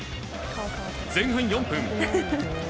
前半４分。